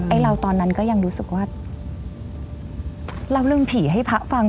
เราตอนนั้นก็ยังรู้สึกว่าเล่าเรื่องผีให้พระฟัง